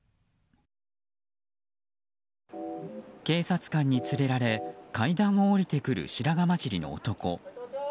警察官に連れられ階段を下りてくる白髪交じりの男。